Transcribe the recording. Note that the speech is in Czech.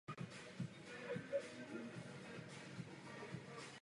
Podle nedávných průzkumů erbů v Náměšti nad Oslavou se jednalo jednoznačně o dravce.